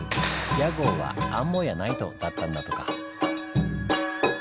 屋号は「アンモ家ナイト」だったんだとか。